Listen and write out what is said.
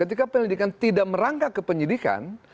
ketika penyelidikan tidak merangkak ke penyidikan